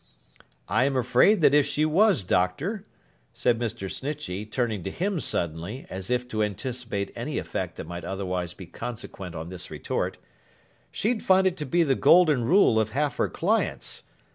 'I am afraid that if she was, Doctor,' said Mr. Snitchey, turning to him suddenly, as if to anticipate any effect that might otherwise be consequent on this retort, 'she'd find it to be the golden rule of half her clients.